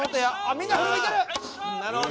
みんな振り向いてるなるほど